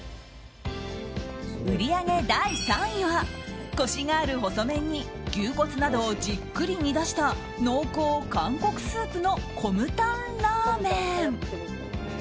売上第３位は、コシがある細麺に牛骨などをじっくり煮だした韓国スープのコムタンラーメン。